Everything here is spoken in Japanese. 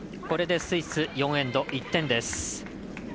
これでスイス４エンド、１点です。